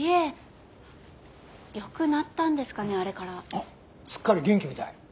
ああすっかり元気みたい。